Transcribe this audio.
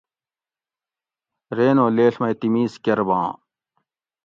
رین او لیڷ مئی تمیز کۤرباں